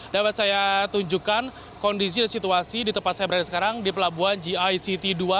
dapat saya tunjukkan kondisi dan situasi di tempat saya berada sekarang di pelabuhan gict dua